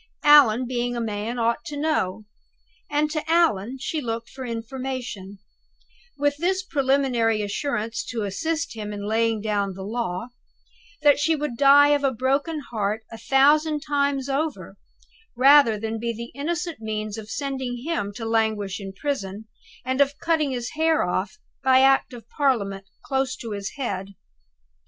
Allan, being a man, ought to know; and to Allan she looked for information with this preliminary assurance to assist him in laying down the law, that she would die of a broken heart a thousand times over, rather than be the innocent means of sending him to languish in prison, and of cutting his hair off, by Act of Parliament, close to his head.